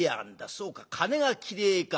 そうか金が嫌えか。